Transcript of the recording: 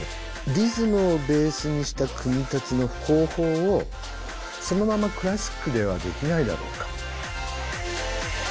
リズムをベースにした組み立ての方法をそのままクラシックではできないだろうか？